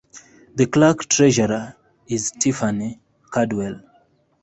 The Clerk-Treasurer is Tiffany Cardwell.